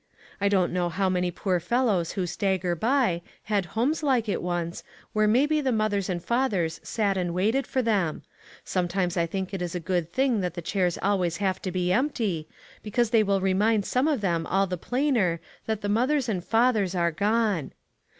I don't know how many poor fellows who stagger by, had homes like it once, where maybe the mothers and fathers sat and waited for them ; sometimes I think it is a good thing that the chairs always have to be empty, because they will remind some of them all the plainer that the mothers and fathers are gone.